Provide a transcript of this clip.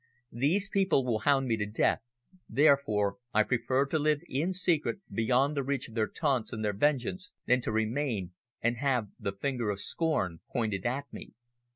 These people will hound me to death, therefore I prefer to live in secret beyond the reach of their taunts and their vengeance than to remain and have the finger of scorn pointed at me.